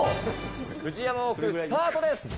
フジヤマウォーク、スタートです。